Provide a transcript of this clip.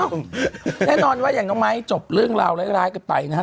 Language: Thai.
แน่นอนว่าอย่างน้องไม้จบเรื่องราวร้ายกันไปนะฮะ